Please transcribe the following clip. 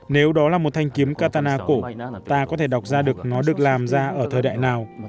nếu đó là một thanh kiếm katana cổ ta có thể đọc ra được nó được làm ra ở thời đại nào